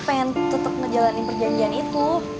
pengen tetap ngejalanin perjanjian itu